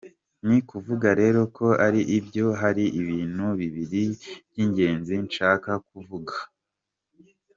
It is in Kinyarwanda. Ni kuvuga rero ko ari ibyo, hari ibintu bibiri by’ingenzi nshaka kuvuga.